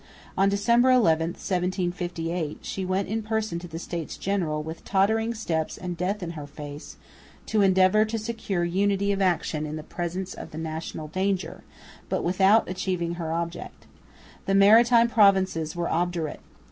On December 11, 1758, she went in person to the States General, "with tottering steps and death in her face," to endeavour to secure unity of action in the presence of the national danger, but without achieving her object. The maritime provinces were obdurate.